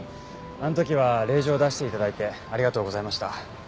あの時は令状を出して頂いてありがとうございました。